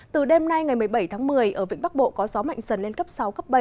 từ đêm nay ngày một mươi bảy tháng một mươi ở vĩnh bắc bộ có gió mạnh dần lên cấp sáu cấp bảy